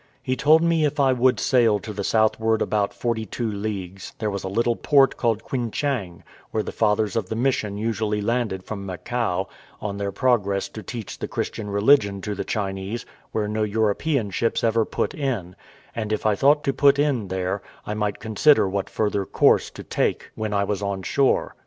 He told me if I would sail to the southward about forty two leagues, there was a little port called Quinchang, where the fathers of the mission usually landed from Macao, on their progress to teach the Christian religion to the Chinese, and where no European ships ever put in; and if I thought to put in there, I might consider what further course to take when I was on shore.